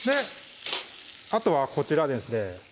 あとはこちらですね